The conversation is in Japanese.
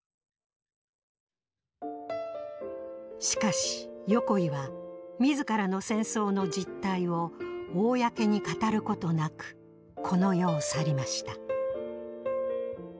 しかし横井は自らの戦争の実態を公に語ることなくこの世を去りました。